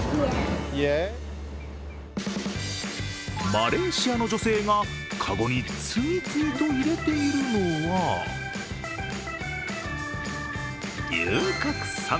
マレーシアの女性がかごに次々と入れているのは龍角散。